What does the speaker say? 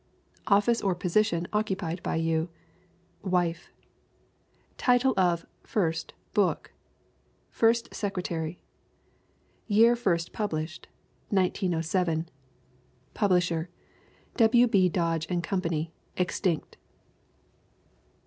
Office or position occupied by you: Wife. Title of (first) book: First Secretary. Year first published: 1907. Publisher: W. B. Dodge & Co. (extinct).